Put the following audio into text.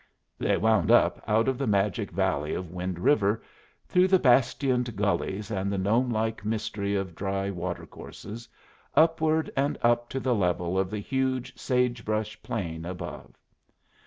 They wound up out of the magic valley of Wind River, through the bastioned gullies and the gnome like mystery of dry water courses, upward and up to the level of the huge sage brush plain above.